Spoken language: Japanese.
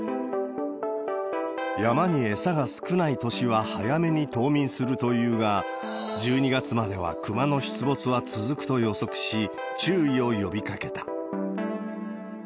山に餌が少ない年は早めに冬眠するというが、１２月まではクマの出没は続くと予想し、注意を呼び掛けた。